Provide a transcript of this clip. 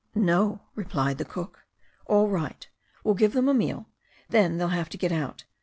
'No," replied the cook. 'All right. We'll give them a meal. Then they'll have to get out.